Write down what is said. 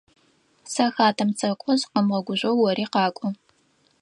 Сэ хатэм сэкӏо, зыкъэмыгъэгужъоу ори къакӏо.